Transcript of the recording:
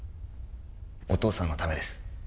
お父さんのためです